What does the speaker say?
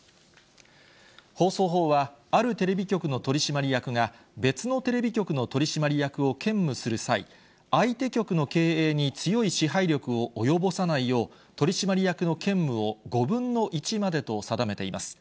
放送法は、あるテレビ局の取締役が別のテレビ局の取締役を兼務する際、相手局の経営に強い支配力を及ぼさないよう、取締役の兼務を５分の１までと定めています。